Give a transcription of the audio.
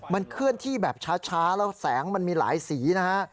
มันเคลื่อนที่แบบช้าแล้วแสงมันมีหลายสีนะฮะ